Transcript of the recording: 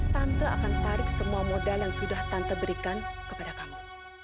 tante akan tarik semua modal yang sudah tante berikan kepada kamu